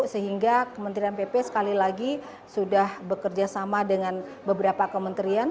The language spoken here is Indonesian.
sehingga kementerian pp sekali lagi sudah bekerja sama dengan beberapa kementerian